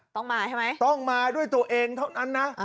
ต้องมาใช่ไหมต้องมาด้วยตัวเองเท่านั้นนะ